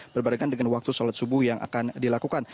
berbarengan dengan waktu sholat subuh yang akan dilakukan